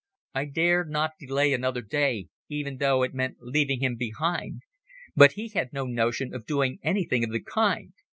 I dared not delay another day, even though it meant leaving him behind. But he had no notion of doing anything of the kind.